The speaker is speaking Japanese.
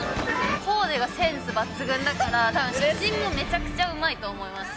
コーデがセンス抜群だから、たぶん、写真もめちゃくちゃうまいと思います。